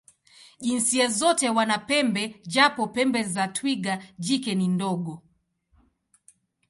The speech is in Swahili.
Jinsia zote wana pembe, japo pembe za twiga jike ni ndogo.